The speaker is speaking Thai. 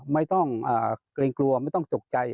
ไม่ต้องเกรงกลัวไม่ต้องตกใจ